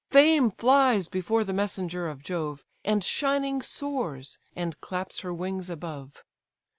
Fame flies before the messenger of Jove, And shining soars, and claps her wings above.